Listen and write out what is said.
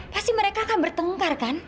pasti mereka akan bertengkar kan